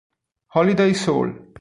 Holiday Soul